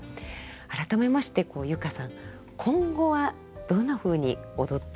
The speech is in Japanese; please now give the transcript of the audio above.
改めまして佑歌さん今後はどんなふうに踊っていかれたいですか。